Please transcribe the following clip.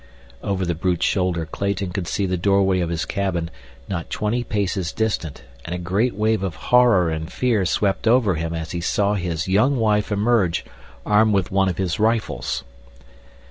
Over the brute's shoulder Clayton could see the doorway of his cabin, not twenty paces distant, and a great wave of horror and fear swept over him as he saw his young wife emerge, armed with one of his rifles.